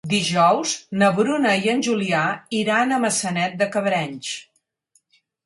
Dijous na Bruna i en Julià iran a Maçanet de Cabrenys.